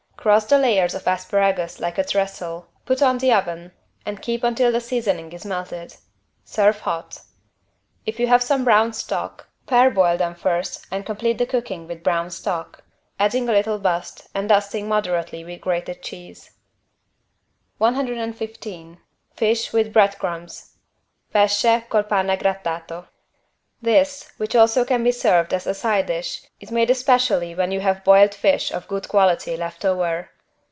Cross the layers of asparagus like a trestle, put on the oven and keep until the seasoning, is melted. Serve hot. If you have some brown stock, parboil them first and complete the cooking with brown stock, adding a little bust and dusting moderately with grated cheese. 115 FISH WITH BREAD CRUMBS (Pesce col pane grattato) This, which can also be served as a side dish, is made especially when you have boiled fish of good quality left over.